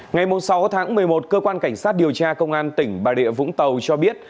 ngày sáu tháng một mươi một cơ quan cảnh sát điều tra công an tỉnh bà rịa vũng tàu cho biết